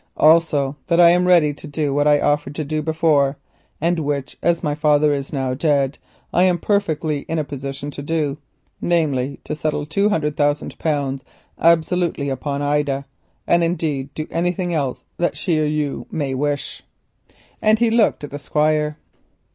"Also that I am ready to do what I offered to do before, and which, as my father is now dead, I am perfectly in a position to do, namely, to settle two hundred thousand pounds absolutely upon Ida, and indeed generally to do anything else that she or you may wish," and he looked at the Squire.